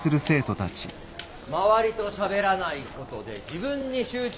周りとしゃべらないことで自分に集中する。